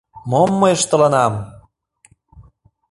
Мом мый ыштылынам!